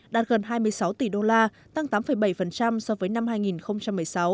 đạt gần hai mươi sáu tỷ usd tăng tám bảy so với năm hai nghìn một mươi sáu